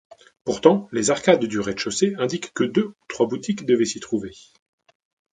Pourtant les arcades du rez-de-chaussée indiquent que deux ou trois boutiques devaient s'y trouver.